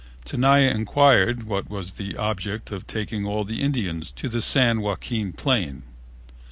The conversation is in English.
Tenaya inquired what was the object of taking all the Indians to the San Joaquin plain.